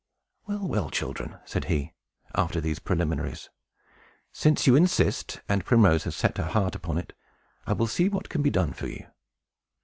"Well, well, children," said he, after these preliminaries, "since you insist, and Primrose has set her heart upon it, I will see what can be done for you.